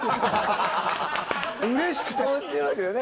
うれしくてね。